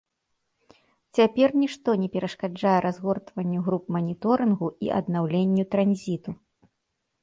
Цяпер нішто не перашкаджае разгортванню груп маніторынгу і аднаўленню транзіту.